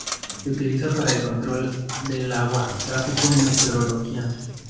Se utiliza para el control del agua, tráfico y meteorología.